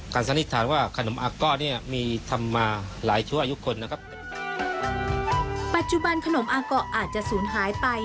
ขนมอาเกาะอาจสูญหายไป